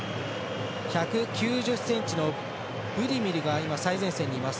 １９０ｃｍのブディミルが最前線にいます。